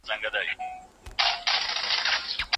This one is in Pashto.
هغه خنډونه چي د پرمختیا مخه نیسي باید لرې سي.